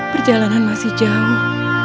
perjalanan masih jauh